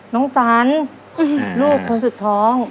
น้องสันลูกคนสุดท้อง